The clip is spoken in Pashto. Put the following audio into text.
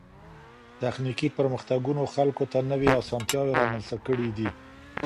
تخنيکي پرمختګونو خلګو ته نوې اسانتياوې رامنځته کړې دي.